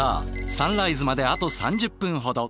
サンライズまであと３０分ほど。